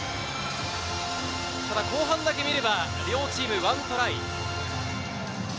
後半だけ見れば両チーム１トライ。